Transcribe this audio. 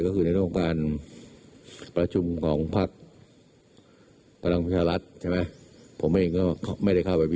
เคารพซึ่งกันและกัน